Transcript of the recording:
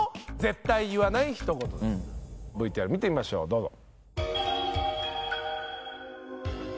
ＶＴＲ見てみましょうどうぞ。